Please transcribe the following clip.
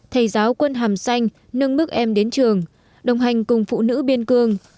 thầy giáo quân hàm xanh nâng mức em đến trường đồng hành cùng phụ nữ biên cương